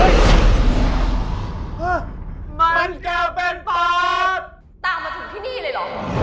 ตามมาถึงที่นี่เลยหรอ